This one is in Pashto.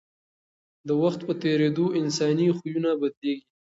د وخت په تېرېدو انساني خویونه بدلېږي.